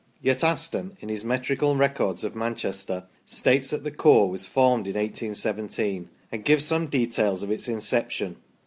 Yet Aston, in his " Metrical Records of Manchester," states that the Corps was formed in 1817, and gives some details of its inception.